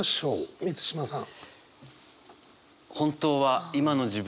満島さん。